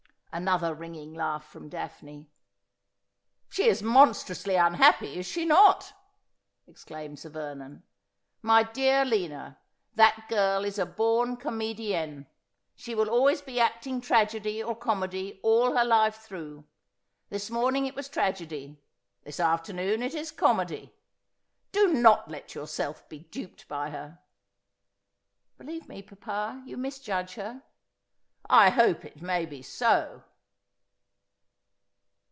126 Asphodel. Another ringing laugh from Daphne. ' She is monstrously unhappy, is she not ?' exclaimed Sir Vernon. ' My dear Lina, that girl is a born comedienne. She will always be acting tragedy or comedy all her life through. This morning it was tragedy ; this afternoon it is comedy. Do not let yourself be duped by her.' ' Believe me, papa, you misjudge her.' ' I hope it may be so.'